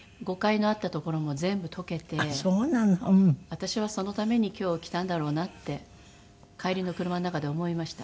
私はそのために今日来たんだろうなって帰りの車の中で思いました。